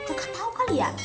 kau gak tau kali ya